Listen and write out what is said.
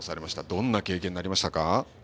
どんな経験になりましたか？